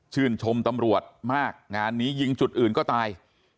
ชมตำรวจมากงานนี้ยิงจุดอื่นก็ตาย